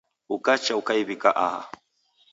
Ukacha ukaiw'ika aha